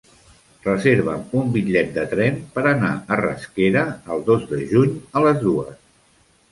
Reserva'm un bitllet de tren per anar a Rasquera el dos de juny a les dues.